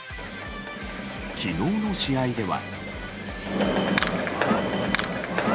昨日の試合では。